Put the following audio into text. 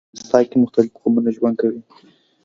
په افغانستان کي مختلیف قومونه ژوند کوي.